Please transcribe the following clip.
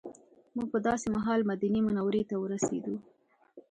موږ په داسې مهال مدینې منورې ته ورسېدو.